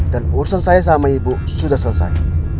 dan urusan saya sama ibu sudah selesai